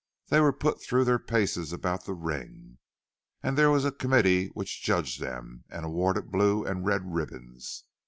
They were put through their paces about the ring, and there was a committee which judged them, and awarded blue and red ribbons.